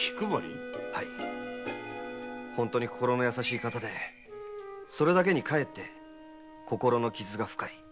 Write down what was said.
本当に心の優しい方でそれだけにかえって心の傷が深い。